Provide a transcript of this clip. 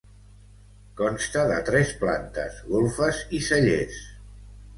Consta de tres plantes, golfes i cellers.